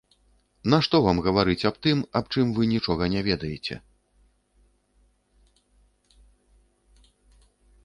Нашто вам гаварыць аб тым, аб чым вы нічога не ведаеце.